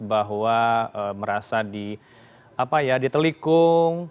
bahwa merasa ditelikung